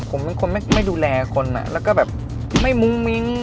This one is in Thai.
ผมเป็นคนไม่ดูแลคนและก็บางอย่างไม่มุ่งมิ้ง